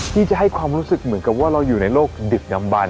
ที่จะให้ความรู้สึกเหมือนกับว่าเราอยู่ในโลกดึกดำบัน